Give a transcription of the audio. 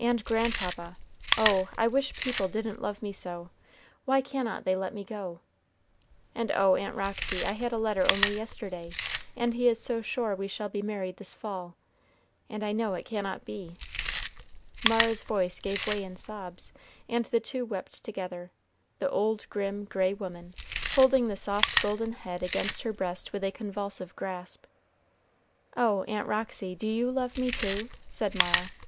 and grandpapa, oh, I wish people didn't love me so! Why cannot they let me go? And oh, Aunt Roxy, I had a letter only yesterday, and he is so sure we shall be married this fall, and I know it cannot be." Mara's voice gave way in sobs, and the two wept together, the old grim, gray woman holding the soft golden head against her breast with a convulsive grasp. "Oh, Aunt Roxy, do you love me, too?" said Mara.